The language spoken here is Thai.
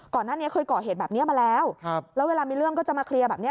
ก่อนหน้านี้เคยก่อเหตุแบบนี้มาแล้วแล้วเวลามีเรื่องก็จะมาเคลียร์แบบนี้